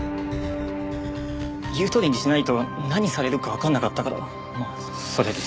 言うとおりにしないと何されるかわかんなかったからまあそれで。